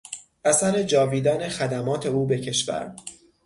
اثر جاویدان خدمات او به کشور